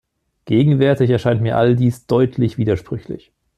Gegenwärtig erscheint mir all dies deutlich widersprüchlich.